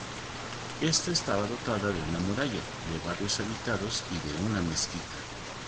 Ésta estaba dotada de una muralla, de barrios habitados y de una mezquita.